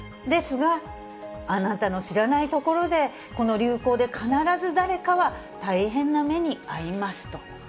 ですが、あなたの知らない所で、この流行で必ず誰かは大変な目に遭いますと。